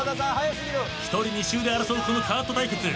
１人２周で争うこのカート対決。